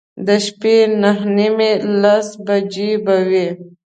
د شپې نهه نیمې، لس بجې به وې.